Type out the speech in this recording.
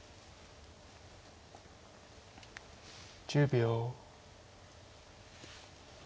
１０秒。